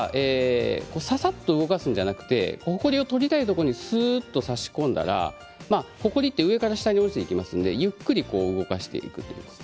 ささっと動かすのではなくほこりを取りたいところにすっと差し込んだらほこりは上から下に落ちていきますのでゆっくり動かしていく。